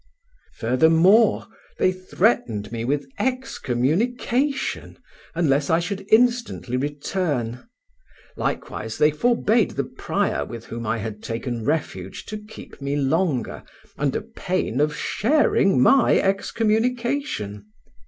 Furthermore, they threatened me with excommunication unless I should instantly return; likewise they forbade the prior with whom I had taken refuge to keep me longer, under pain of sharing my excommunication.